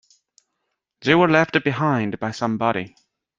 They were left behind by somebody.